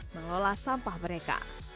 mengelola sampah mereka